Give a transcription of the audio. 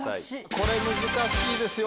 これ難しいですよ。